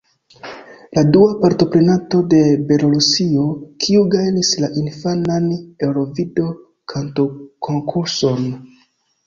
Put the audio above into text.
La dua partoprenanto de Belorusio, kiu gajnis la infanan Eŭrovido-Kantokonkurson.